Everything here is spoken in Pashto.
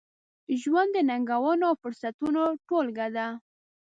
ژوند د ننګونو، او فرصتونو ټولګه ده.